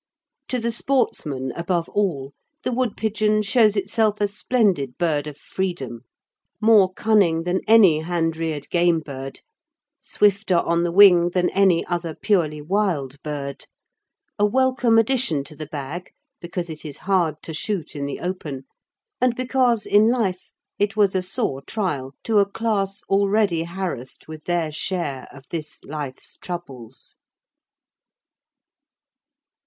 To the sportsman, above all, the woodpigeon shows itself a splendid bird of freedom, more cunning than any hand reared game bird, swifter on the wing than any other purely wild bird, a welcome addition to the bag because it is hard to shoot in the open, and because in life it was a sore trial to a class already harassed with their share of this life's troubles.